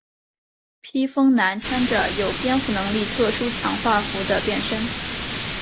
披风男穿着有蝙蝠能力特殊强化服的变身。